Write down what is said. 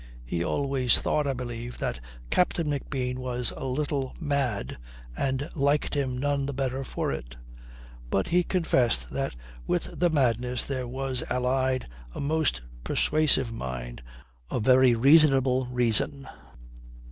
He always thought, I believe, that Captain McBean was a little mad, and liked him none the better for it. But he confessed that with the madness there was allied a most persuasive mind, a very reasonable reason.